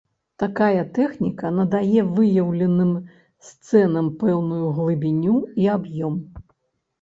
Такая тэхніка надае выяўленым сцэнам пэўную глыбіню і аб'ём.